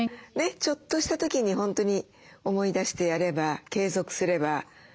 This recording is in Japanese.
ちょっとした時に本当に思い出してやれば継続すれば。